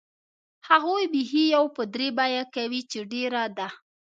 هغوی بیخي یو په درې بیه کوي چې ډېره ده.